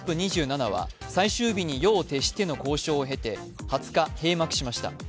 ２７は最終日に夜を徹しての交渉を経て、２０日、閉幕しました。